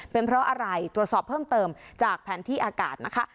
เป็นเพราะอะไรตรวจสอบเพิ่มเติมจากแผนที่อากาศนะคะ